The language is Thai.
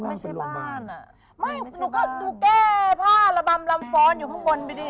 ไม่หนูก็ดูแก้ผ้าระบำรำฟ้อนอยู่ข้างบนไปดิ